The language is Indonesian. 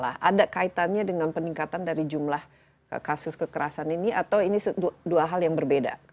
ada kaitannya dengan peningkatan dari jumlah kasus kekerasan ini atau ini dua hal yang berbeda